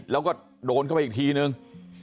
แล้วก็โดนเข้าไปอีกทีนึง